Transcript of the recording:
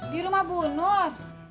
di rumah bu nur